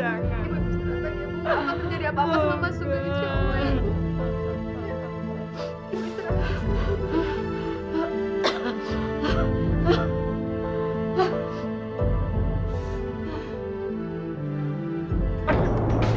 aku merasa berenang fragile